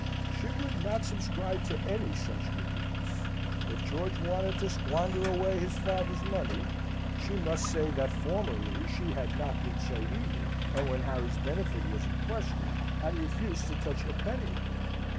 She would not subscribe to any such wickedness. If George wanted to squander away his father's money (she must say that formerly he had not been so eager, and when Harry's benefit was in question had refused to touch a penny of it!)